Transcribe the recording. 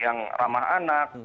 yang ramah anak